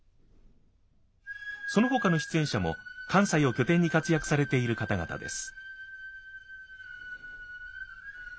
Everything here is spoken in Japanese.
そのほかの出演者も関西を拠点に活躍されている方々です。